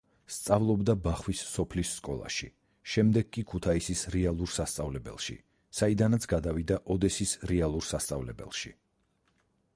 სწავლობდა ბახვის სოფლის სკოლაში, შემდეგ კი ქუთაისის რეალურ სასწავლებელში, საიდანაც გადავიდა ოდესის რეალურ სასწავლებელში.